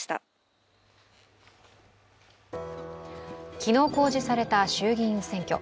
昨日公示された衆議院選挙。